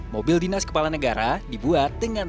mobil dinas kepala negara dibuat dengan